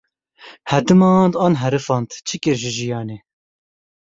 Hedimand an herifand çi kir ji jiyanê?